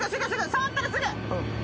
触ったらすぐ！